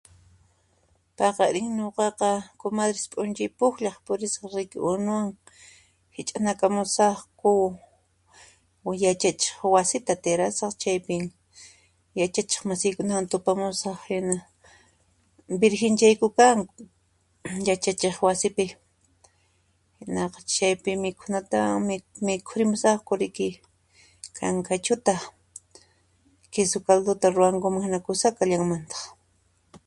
Paqarin ñuqaqa komadres p'unchay pukllaq purisaq riki unuwan hich'anakamusaqku yachachik wasita tirasaq, chaypi yachachik masiykunawan tupamusaq hina virginchaykupian yachachik wasipi, chaypi mikhunatawan mikhurimusaqku riki kankachuta, kisu kalduta rurankuman hina kusa kallanmantaq.